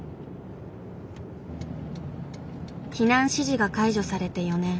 避難指示が解除されて４年。